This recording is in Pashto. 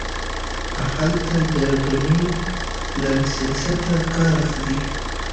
هلته د ډمپینګ له سیاسته کار اخلي.